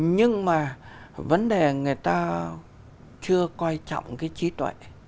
nhưng mà vấn đề người ta chưa coi trọng cái trí tuệ